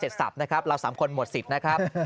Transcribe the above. สับนะครับเราสามคนหมดสิทธิ์นะครับ